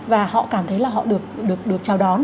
và họ cảm thấy là họ được chào đón